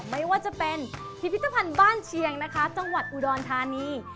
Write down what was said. ไม่ว่าจะเป็นพิพิธภัณฑ์บ้านเชียงนะคะจังหวัดอุดรธานี